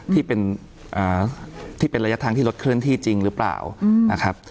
ที่เป็นที่เป็นระยะทางที่รถเคลื่อนที่จริงหรือเปล่านะครับ